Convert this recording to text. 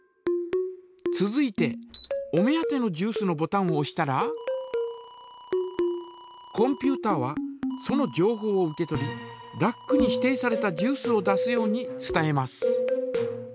続いてお目当てのジュースのボタンをおしたらコンピュータはそのじょうほうを受け取りラックに指定されたジュースを出すように伝えます。